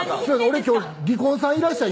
俺今日離婚さんいらっしゃい！